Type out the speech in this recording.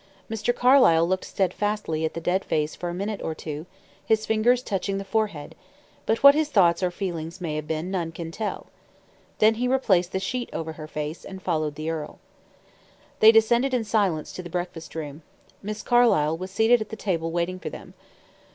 Mr. Carlyle looked steadfastly at the dead face for a minute or two, his fingers touching the forehead; but what his thoughts or feelings may have been, none can tell. Then he replaced the sheet over her face, and followed the earl. They descended in silence to the breakfast room. Miss Carlyle was seated at the table waiting for them.